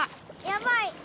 やばい。